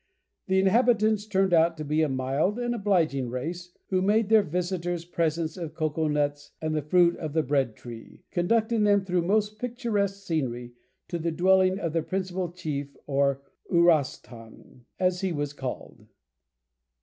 The inhabitants turned out to be a mild and obliging race, who made their visitors presents of cocoa nuts and the fruit of the bread tree, conducting them through most picturesque scenery to the dwelling of their principal chief, or "Uross ton," as he was called.